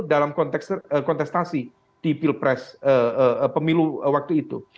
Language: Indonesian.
dalam kontestasi di pilpres pemilu waktu itu